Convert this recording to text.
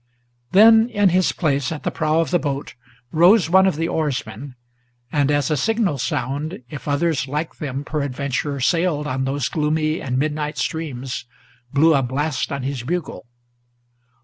Then in his place, at the prow of the boat, rose one of the oarsmen, And, as a signal sound, if others like them peradventure Sailed on those gloomy and midnight streams, blew a blast on his bugle.